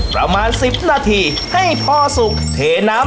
ประมาณ๑๐นาทีให้พอสุกเทน้ำ